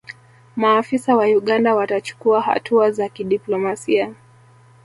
maafisa wa uganda watachukua hatua za kidiplomasia